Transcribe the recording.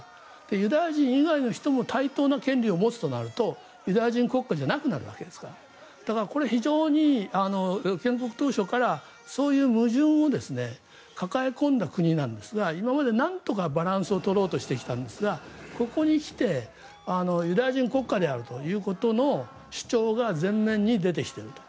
ユダヤ人以外の人も対等な権利を持つとなるとユダヤ人国家じゃなくなるわけですからだからこれは非常に建国当初からそういう矛盾を抱え込んだ国なんですが今までなんとか、バランスを取ろうとしてきたんですがここに来てユダヤ人国家であるということの主張が前面に出てきていると。